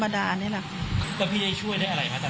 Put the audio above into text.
ก็ธรรมดานี่แหละแต่พี่ได้ช่วยได้อะไรไหมตอนนั้นไม่ค่ะ